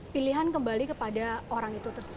pilihan kembali kepada orang itu